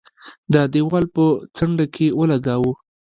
د دېوال په څنډه کې ولګاوه.